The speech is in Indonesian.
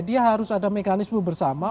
dia harus ada mekanisme bersama